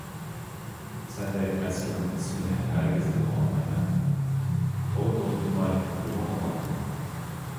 سەندەك ئەسكىنىڭ ئىسمىنى ھەرگىز تىلغا ئالمايمەن، تولا كوتۇلدىماي يولۇڭغا ماڭغىن!